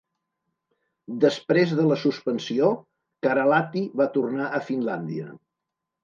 Després de la suspensió, Karalahti va tornar a Finlàndia.